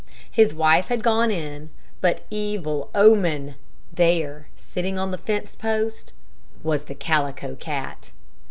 His wife had gone in; but, evil omen! there, sitting on a fence post, was the Calico Cat.